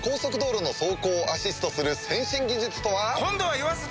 今度は言わせて！